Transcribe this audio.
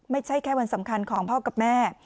ไม่ใช่แค่วันสำคัญของพ่อกับแม่